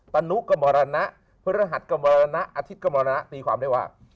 ตนุก็มรณะพฤหัสก็มรณะอาทิตย์ก็มรณะตีความได้ว่า